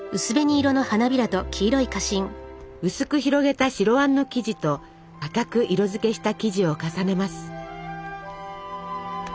薄く広げた白あんの生地と赤く色づけした生地を重ねます。